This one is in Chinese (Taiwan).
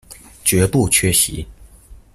絕不缺席